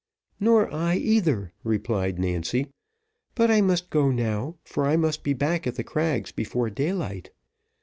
"Nor I either," replied Nancy; "but I must go now, for I must be back at the crags before daylight.